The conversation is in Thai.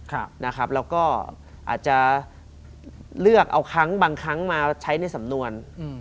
แล้วก็อาจจะเลือกเอาครั้งบางครั้งมาใช้ในสำนวน